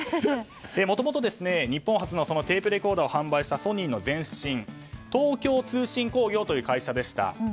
もともと、日本初のテープレコーダーを販売したソニーの前身東京通信工業という会社でした。